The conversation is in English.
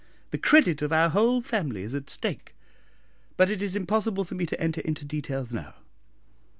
The credit of our whole family is at stake; but it is impossible for me to enter into details now."